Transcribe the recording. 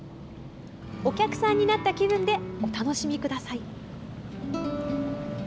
お客さんになった気分でお楽しみください。